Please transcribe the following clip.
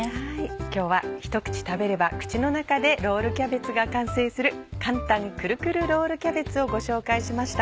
今日はひと口食べれば口の中でロールキャベツが完成する「簡単くるくるロールキャベツ」をご紹介しました。